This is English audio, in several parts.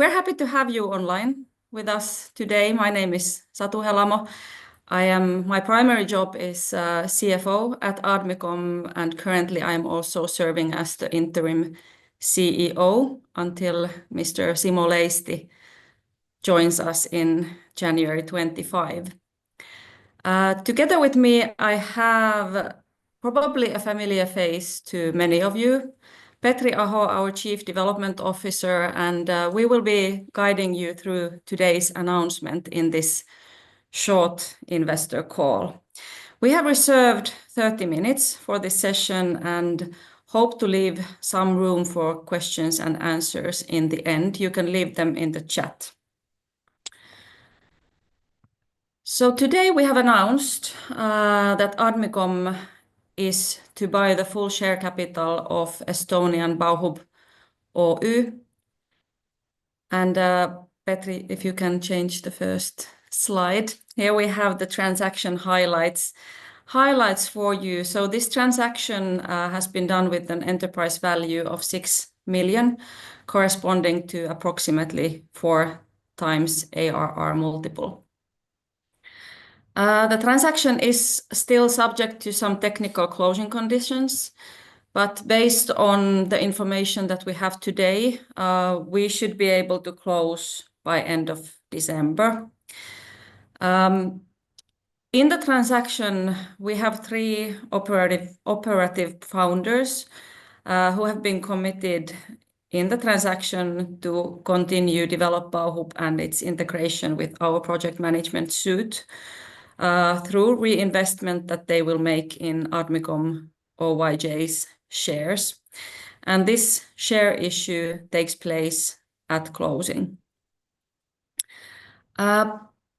We're happy to have you online with us today. My name is Satu Helamo. My primary job is CFO at Admicom, and currently I'm also serving as the Interim CEO until Mr. Simo Leisti joins us in January 2025. Together with me, I have probably a familiar face to many of you, Petri Aho, our Chief Development Officer, and we will be guiding you through today's announcement in this short investor call. We have reserved 30 minutes for this session and hope to leave some room for questions and answers in the end. You can leave them in the chat, so today we have announced that Admicom is to buy the full share capital of Estonian Bauhub OÜ, and Petri, if you can change the first slide. Here we have the transaction highlights for you. This transaction has been done with an enterprise value of 6 million, corresponding to approximately four times ARR multiple. The transaction is still subject to some technical closing conditions, but based on the information that we have today, we should be able to close by end of December. In the transaction, we have three operative founders who have been committed in the transaction to continue to develop Bauhub and its integration with our project management suite through reinvestment that they will make in Admicom Oyj's shares. And this share issue takes place at closing.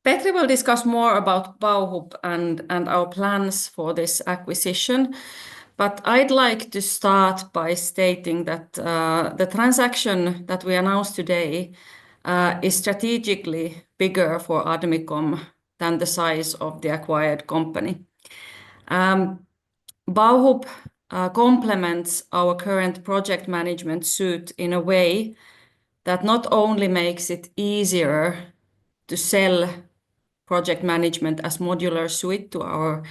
Petri will discuss more about Bauhub and our plans for this acquisition, but I'd like to start by stating that the transaction that we announced today is strategically bigger for Admicom than the size of the acquired company. Bauhub complements our current project management suite in a way that not only makes it easier to sell project management as a modular suite to our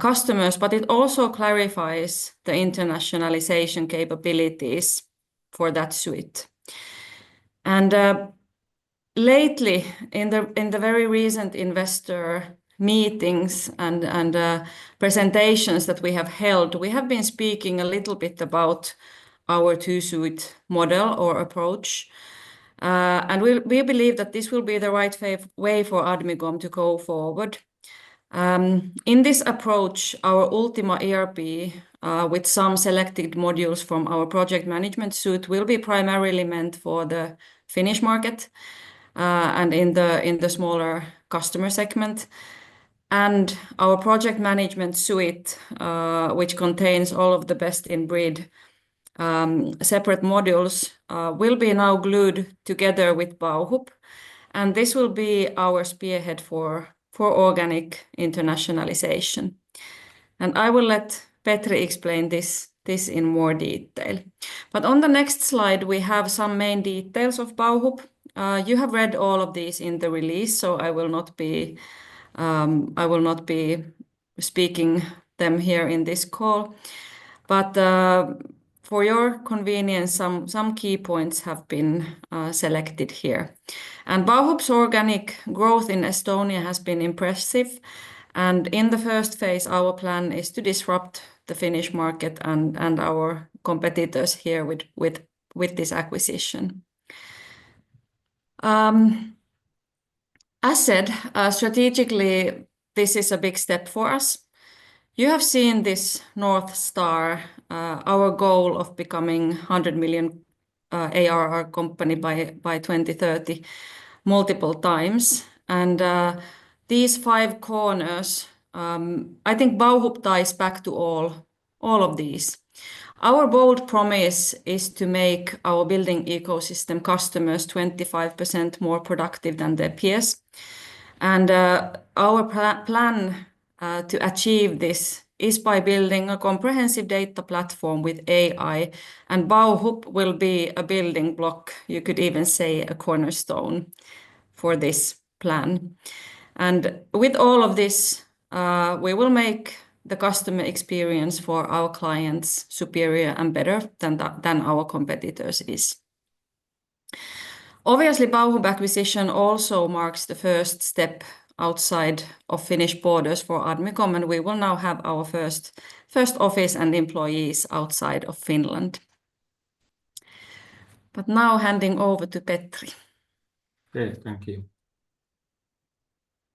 customers, but it also clarifies the internationalization capabilities for that suite. And lately, in the very recent investor meetings and presentations that we have held, we have been speaking a little bit about our two-suite model or approach. And we believe that this will be the right way for Admicom to go forward. In this approach, our Ultima ERP, with some selected modules from our project management suite, will be primarily meant for the Finnish market and in the smaller customer segment. And our project management suite, which contains all of the best-in-breed separate modules, will be now glued together with Bauhub. And this will be our spearhead for organic internationalization. And I will let Petri explain this in more detail. But on the next slide, we have some main details of Bauhub. You have read all of these in the release, so I will not be speaking them here in this call. But for your convenience, some key points have been selected here. And Bauhub's organic growth in Estonia has been impressive. And in the first phase, our plan is to disrupt the Finnish market and our competitors here with this acquisition. As said, strategically, this is a big step for us. You have seen this North Star, our goal of becoming a 100 million ARR company by 2030 multiple times. And these five corners, I think Bauhub ties back to all of these. Our bold promise is to make our building ecosystem customers 25% more productive than their peers. And our plan to achieve this is by building a comprehensive data platform with AI. Bauhub will be a building block, you could even say a cornerstone for this plan. With all of this, we will make the customer experience for our clients superior and better than our competitors is. Obviously, Bauhub acquisition also marks the first step outside of Finnish borders for Admicom, and we will now have our first office and employees outside of Finland. Now handing over to Petri. Okay, thank you,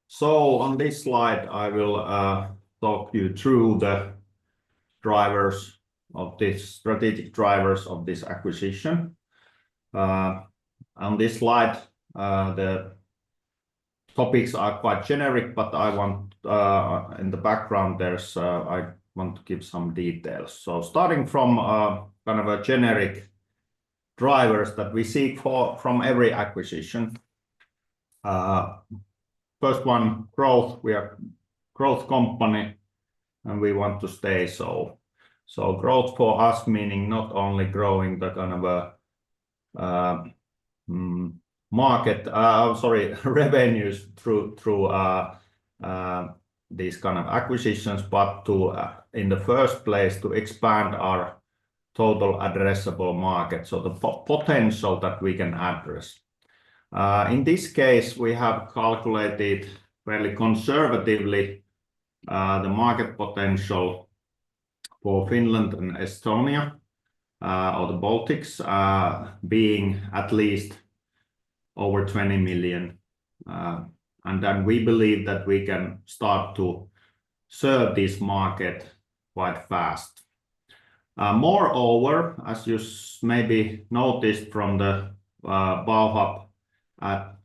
so on this slide, I will talk you through the strategic drivers of this acquisition. On this slide, the topics are quite generic, but in the background, I want to give some details, so starting from kind of a generic drivers that we seek from every acquisition. First one, growth. We are a growth company, and we want to stay, so growth for us meaning not only growing the kind of market, I'm sorry, revenues through these kind of acquisitions, but in the first place, to expand our total addressable market, so the potential that we can address. In this case, we have calculated fairly conservatively the market potential for Finland and Estonia or the Baltics, being at least over 20 million, and then we believe that we can start to serve this market quite fast. Moreover, as you maybe noticed from the Bauhub at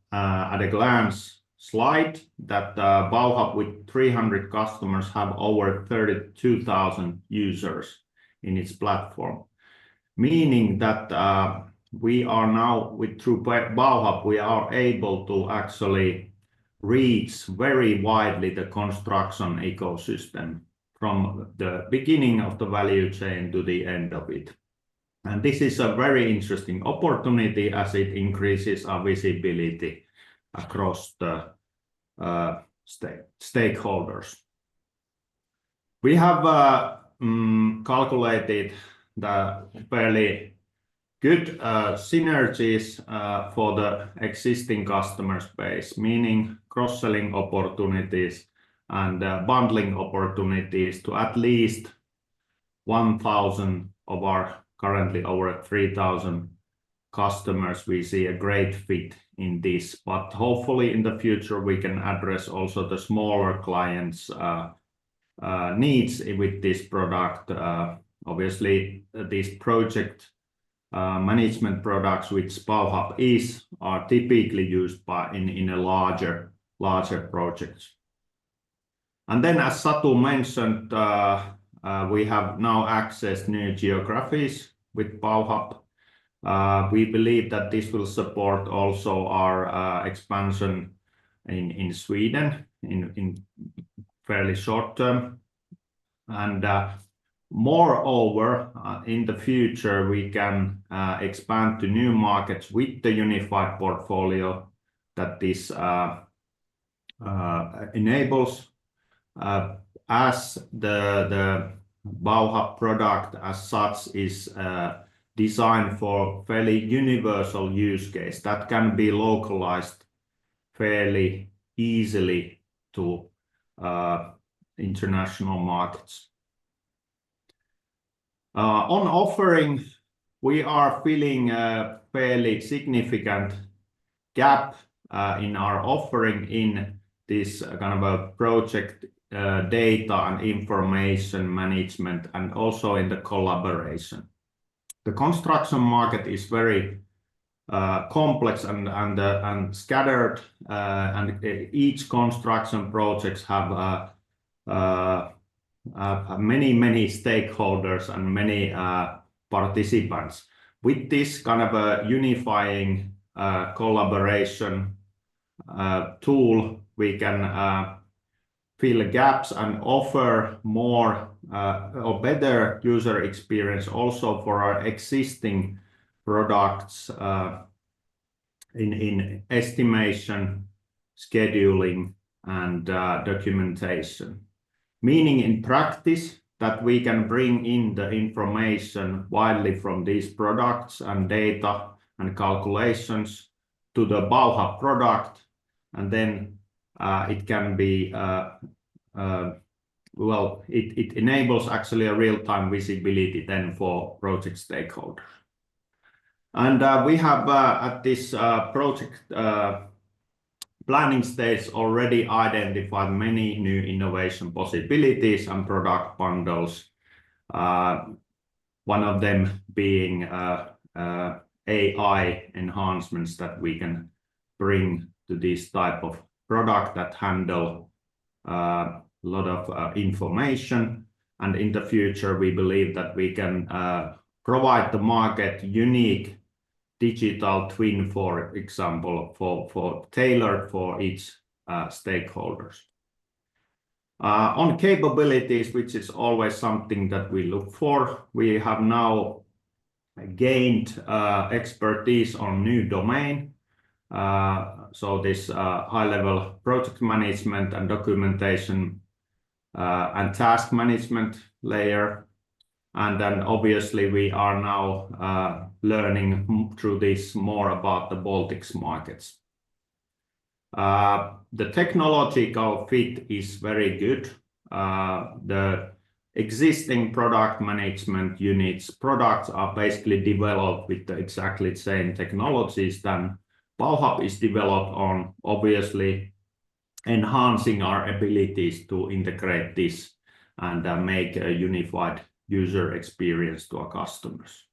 a glance slide, that Bauhub with 300 customers have over 32,000 users in its platform, meaning that we are now, through Bauhub, we are able to actually reach very widely the construction ecosystem from the beginning of the value chain to the end of it, and this is a very interesting opportunity as it increases our visibility across the stakeholders. We have calculated the fairly good synergies for the existing customer base, meaning cross-selling opportunities and bundling opportunities to at least 1,000 of our currently over 3,000 customers. We see a great fit in this, but hopefully in the future, we can address also the smaller clients' needs with this product. Obviously, these project management products which Bauhub is are typically used in larger projects, and then, as Satu mentioned, we have now accessed new geographies with Bauhub. We believe that this will support also our expansion in Sweden in fairly short term, and moreover, in the future, we can expand to new markets with the unified portfolio that this enables as the Bauhub product as such is designed for fairly universal use case that can be localized fairly easily to international markets. On offering, we are filling a fairly significant gap in our offering in this kind of project data and information management and also in the collaboration. The construction market is very complex and scattered, and each construction project has many, many stakeholders and many participants. With this kind of unifying collaboration tool, we can fill gaps and offer more or better user experience also for our existing products in estimation, scheduling, and documentation. Meaning in practice that we can bring in the information widely from these products and data and calculations to the Bauhub product, and then it can be, well, it enables actually a real-time visibility then for project stakeholders. And we have at this project planning stage already identified many new innovation possibilities and product bundles, one of them being AI enhancements that we can bring to this type of product that handle a lot of information. And in the future, we believe that we can provide the market unique digital twin, for example, tailored for each stakeholders. On capabilities, which is always something that we look for, we have now gained expertise on new domain. So this high-level project management and documentation and task management layer. And then obviously, we are now learning through this more about the Baltics markets. The technological fit is very good. The existing product management units' products are basically developed with exactly the same technologies than Bauhub is developed on, obviously enhancing our abilities to integrate this and make a unified user experience to our customers.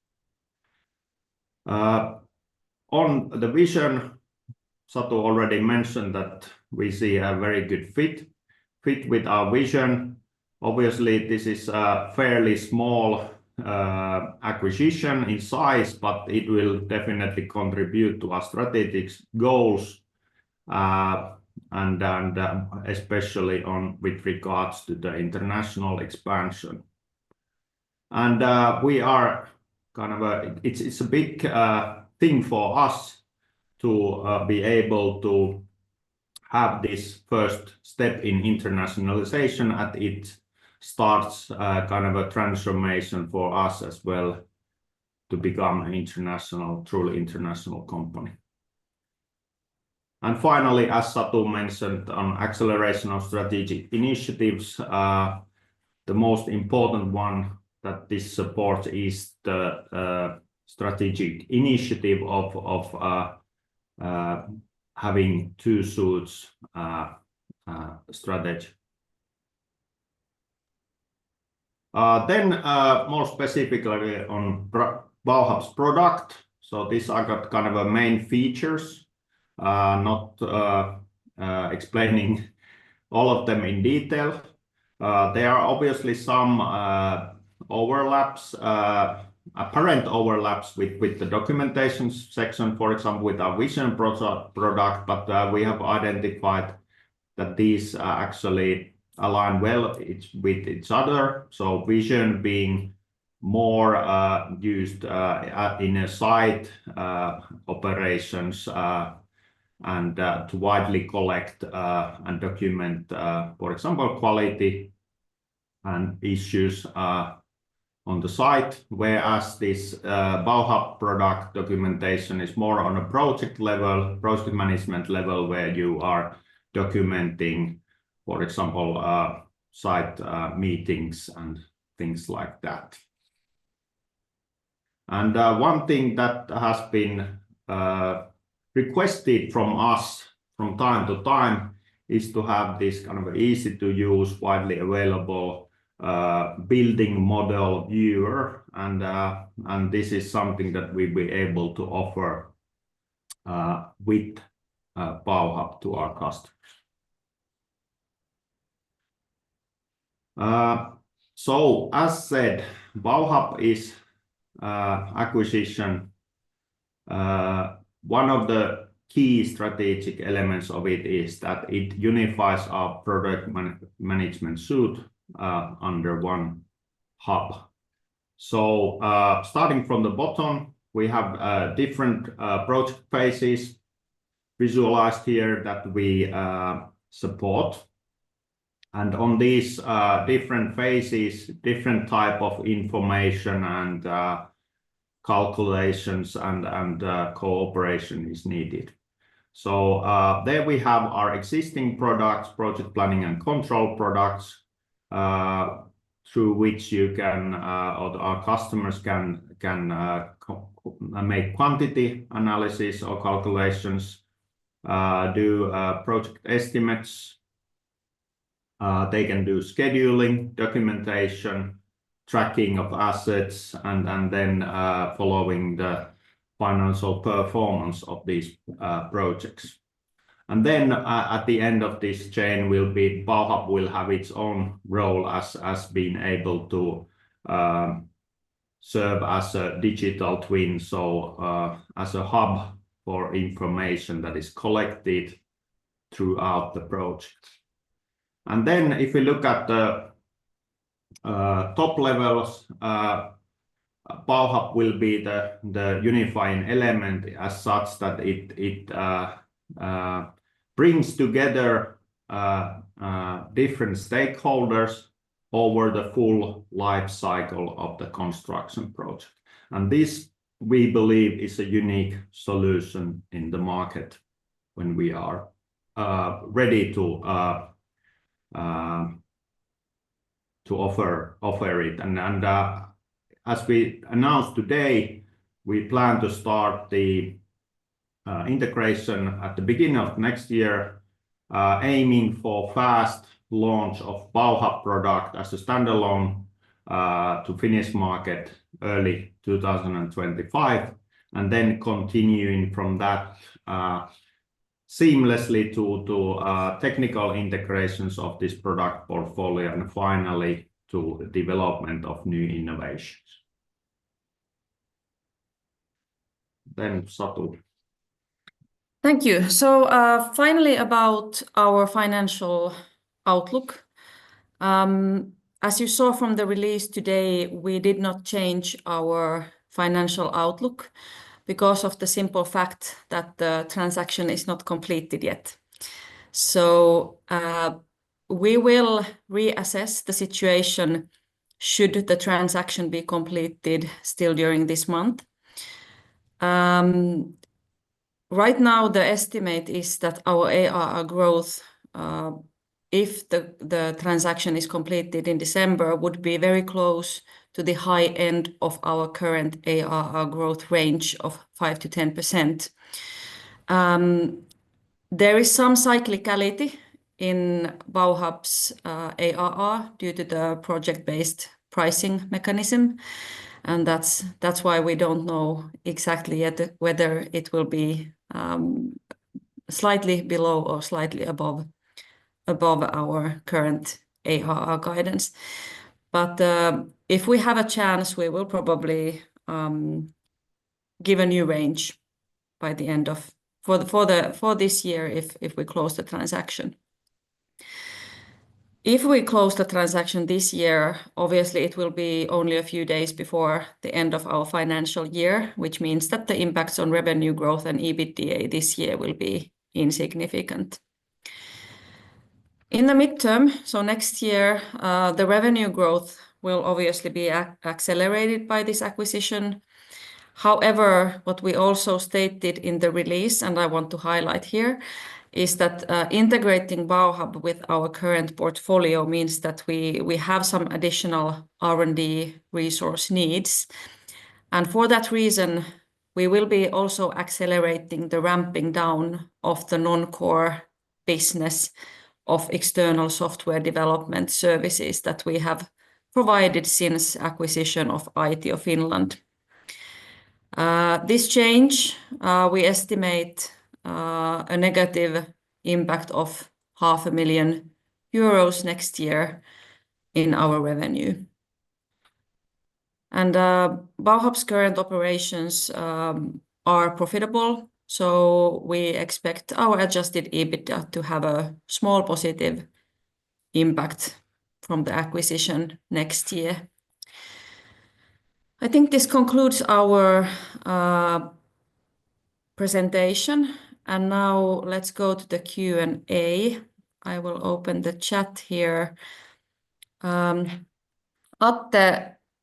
On the Vision, Satu already mentioned that we see a very good fit with our Vision. Obviously, this is a fairly small acquisition in size, but it will definitely contribute to our strategic goals, and especially with regards to the international expansion, and we are kind of a, it's a big thing for us to be able to have this first step in internationalization as it starts kind of a transformation for us as well to become an international, truly international company, and finally, as Satu mentioned on acceleration of strategic initiatives, the most important one that this supports is the strategic initiative of having two suites strategy, then more specifically on Bauhub's product. So these are kind of the main features, not explaining all of them in detail. There are obviously some apparent overlaps with the documentation section, for example, with our Vision product, but we have identified that these actually align well with each other. So vision being more used in site operations and to widely collect and document, for example, quality and issues on the site, whereas this Bauhub product documentation is more on a project level, project management level, where you are documenting, for example, site meetings and things like that. And one thing that has been requested from us from time to time is to have this kind of easy-to-use, widely available building model viewer. And this is something that we'll be able to offer with Bauhub to our customers. So as said, Bauhub is acquisition. One of the key strategic elements of it is that it unifies our project management suite under one hub. So starting from the bottom, we have different project phases visualized here that we support. And on these different phases, different types of information and calculations and cooperation is needed. So there we have our existing products, project planning and control products through which you can or our customers can make quantity analysis or calculations, do project estimates. They can do scheduling, documentation, tracking of assets, and then following the financial performance of these projects. And then at the end of this chain, Bauhub will have its own role as being able to serve as a digital twin, so as a hub for information that is collected throughout the project. And then if we look at the top levels, Bauhub will be the unifying element as such that it brings together different stakeholders over the full life cycle of the construction project. And this, we believe, is a unique solution in the market when we are ready to offer it. And as we announced today, we plan to start the integration at the beginning of next year, aiming for fast launch of Bauhub product as a standalone to Finnish market early 2025, and then continuing from that seamlessly to technical integrations of this product portfolio and finally to development of new innovations. Then, Satu. Thank you. So finally, about our financial outlook. As you saw from the release today, we did not change our financial outlook because of the simple fact that the transaction is not completed yet. So we will reassess the situation should the transaction be completed still during this month. Right now, the estimate is that our ARR growth, if the transaction is completed in December, would be very close to the high end of our current ARR growth range of 5%-10%. There is some cyclicality in Bauhub's ARR due to the project-based pricing mechanism, and that's why we don't know exactly yet whether it will be slightly below or slightly above our current ARR guidance. But if we have a chance, we will probably give a new range by the end of this year if we close the transaction. If we close the transaction this year, obviously it will be only a few days before the end of our financial year, which means that the impacts on revenue growth and EBITDA this year will be insignificant. In the midterm, so next year, the revenue growth will obviously be accelerated by this acquisition. However, what we also stated in the release, and I want to highlight here, is that integrating Bauhub with our current portfolio means that we have some additional R&D resource needs. And for that reason, we will be also accelerating the ramping down of the non-core business of external software development services that we have provided since acquisition of Aitio Finland. This change, we estimate a negative impact of 500,000 euros next year in our revenue. Bauhub's current operations are profitable, so we expect our adjusted EBITDA to have a small positive impact from the acquisition next year. I think this concludes our presentation, and now let's go to the Q&A. I will open the chat here. Atte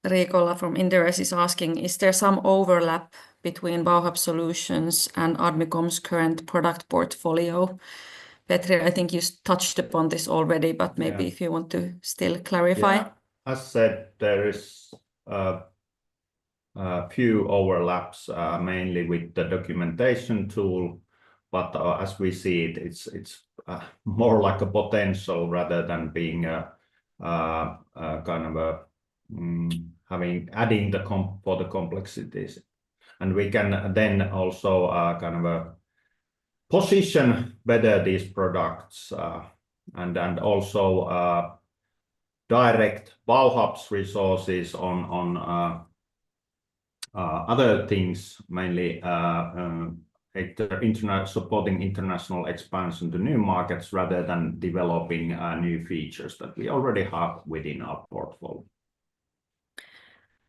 Riikola from Inderes is asking, is there some overlap between Bauhub solutions and Admicom's current product portfolio? Petri, I think you touched upon this already, but maybe if you want to still clarify. As said, there are a few overlaps, mainly with the documentation tool, but as we see it, it's more like a potential rather than being kind of adding to the complexities. And we can then also kind of position better these products and also direct Bauhub's resources on other things, mainly supporting international expansion to new markets rather than developing new features that we already have within our portfolio.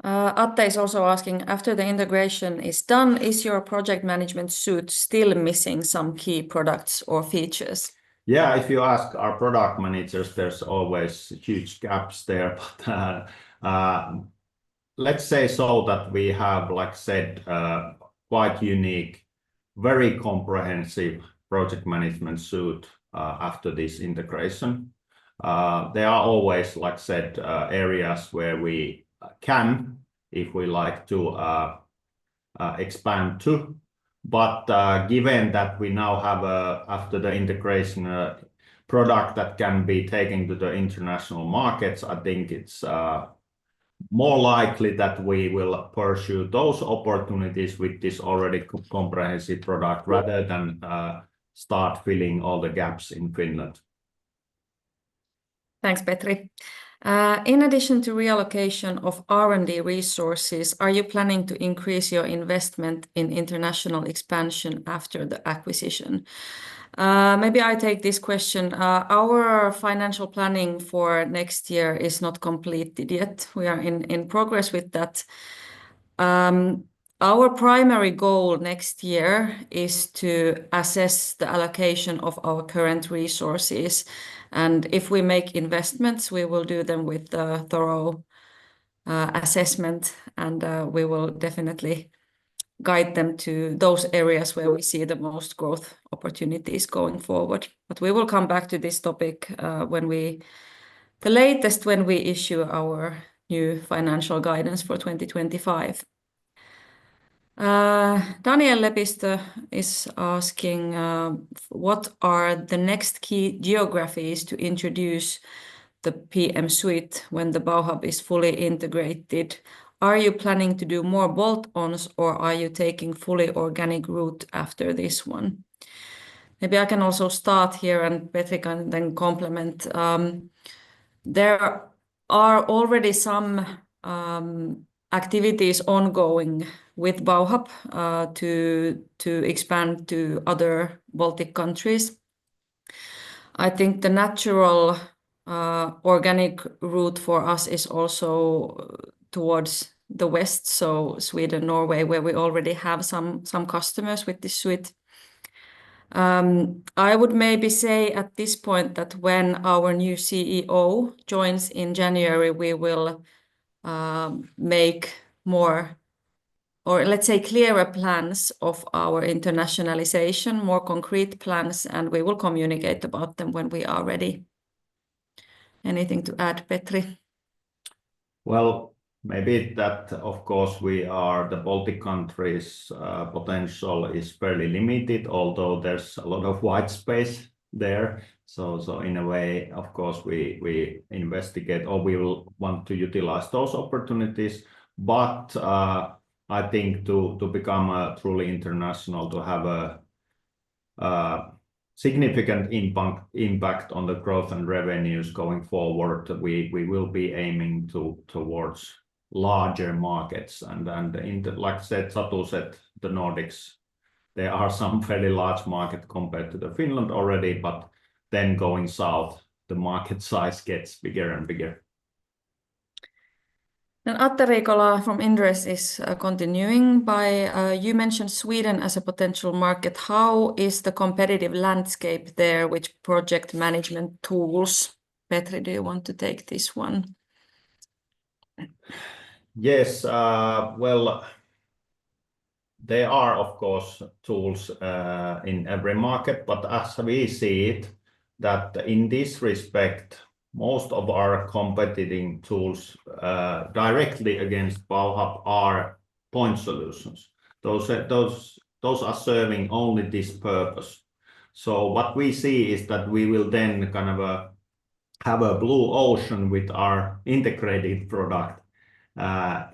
Atte is also asking, after the integration is done, is your project management suite still missing some key products or features? Yeah, if you ask our product managers, there's always huge gaps there. Let's say so that we have, like I said, quite unique, very comprehensive project management suite after this integration. There are always, like I said, areas where we can if we like to expand to. But given that we now have, after the integration, a product that can be taken to the international markets, I think it's more likely that we will pursue those opportunities with this already comprehensive product rather than start filling all the gaps in Finland. Thanks, Petri. In addition to reallocation of R&D resources, are you planning to increase your investment in international expansion after the acquisition? Maybe I take this question. Our financial planning for next year is not completed yet. We are in progress with that. Our primary goal next year is to assess the allocation of our current resources, and if we make investments, we will do them with a thorough assessment, and we will definitely guide them to those areas where we see the most growth opportunities going forward, but we will come back to this topic when we, at the latest, when we issue our new financial guidance for 2025. Daniel Lepistö is asking, what are the next key geographies to introduce the P.M suite when the Bauhub is fully integrated? Are you planning to do more bolt-ons, or are you taking a fully organic route after this one? Maybe I can also start here, and Petri can then complement. There are already some activities ongoing with Bauhub to expand to other Baltic countries. I think the natural organic route for us is also towards the west, so Sweden, Norway, where we already have some customers with this suite. I would maybe say at this point that when our new CEO joins in January, we will make more, or let's say, clearer plans of our internationalization, more concrete plans, and we will communicate about them when we are ready. Anything to add, Petri? Well, maybe that, of course, we are the Baltic countries' potential is fairly limited, although there's a lot of white space there. So in a way, of course, we investigate or we will want to utilize those opportunities. But I think to become truly international, to have a significant impact on the growth and revenues going forward, we will be aiming towards larger markets. And like I said, Satu said the Nordics, there are some fairly large markets compared to Finland already, but then going south, the market size gets bigger and bigger. Then Atte Riikola from Inderes is continuing by, "You mentioned Sweden as a potential market. How is the competitive landscape there with project management tools?" Petri, do you want to take this one? Yes. Well, there are, of course, tools in every market, but as we see it, that in this respect, most of our competing tools directly against Bauhub are point solutions. Those are serving only this purpose. So what we see is that we will then kind of have a blue ocean with our integrated product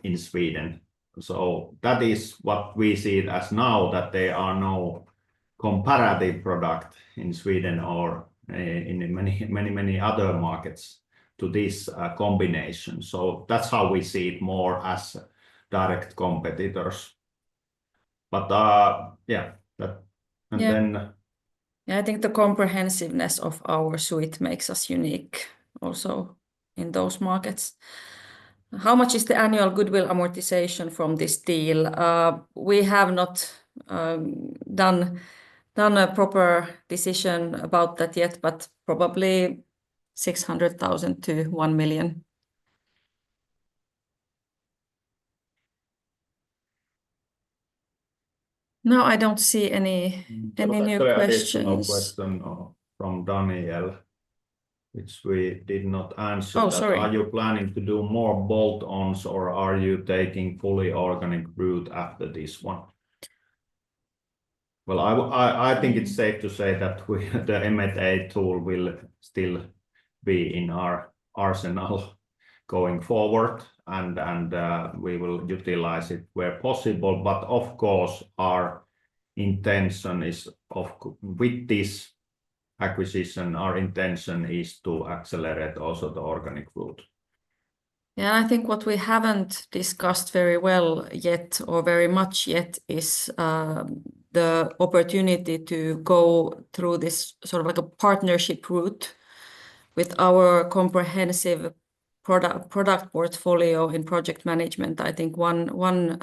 in Sweden. So that is what we see as of now, that there are no comparative products in Sweden or in many, many other markets to this combination. So that's how we see it more as direct competitors. But yeah, that. Yeah, I think the comprehensiveness of our suite makes us unique also in those markets. How much is the annual goodwill amortization from this deal? We have not done a proper decision about that yet, but probably 600,000-1 million. No, I don't see any new questions. I think there was a question from Daniel, which we did not answer. Oh, sorry. Are you planning to do more bolt-ons, or are you taking fully organic route after this one? Well, I think it's safe to say that the M&A tool will still be in our arsenal going forward, and we will utilize it where possible. But of course, our intention is, with this acquisition, our intention is to accelerate also the organic route. Yeah, and I think what we haven't discussed very well yet or very much yet is the opportunity to go through this sort of like a partnership route with our comprehensive product portfolio in project management. I think one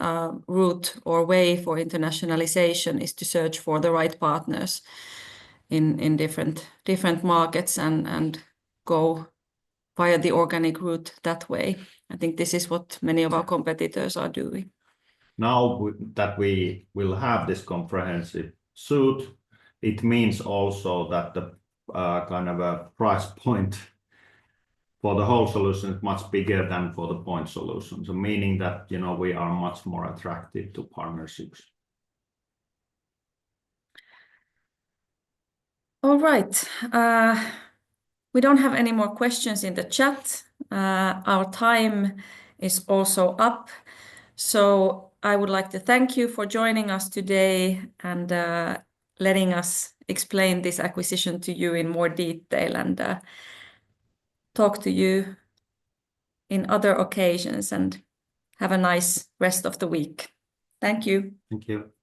route or way for internationalization is to search for the right partners in different markets and go via the organic route that way. I think this is what many of our competitors are doing. Now that we will have this comprehensive suite, it means also that the kind of price point for the whole solution is much bigger than for the point solution, meaning that we are much more attractive to partnerships. All right. We don't have any more questions in the chat. Our time is also up. So I would like to thank you for joining us today and letting us explain this acquisition to you in more detail and talk to you in other occasions and have a nice rest of the week. Thank you. Thank you.